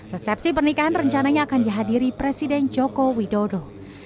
resepsi pernikahan rencananya akan dihadiri presiden joko widodo